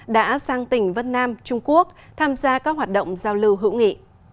đã sang tỉnh vân nam trung quốc tham gia các hoạt động giao lưu hữu nghị